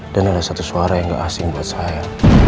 dan ada suara yang gak asing buat saya